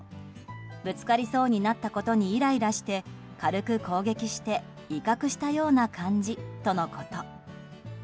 ぶつかりそうになったことにイライラして軽く攻撃して威嚇したような感じとのこと。